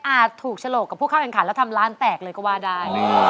ถูกฉลกกับผู้เข้าแข่งขันแล้วทำร้านแตกเลยก็ว่าได้